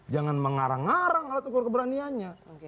jangan mengarang arang alat ukur keberaniannya